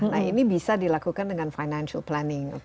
nah ini bisa dilakukan dengan financial planning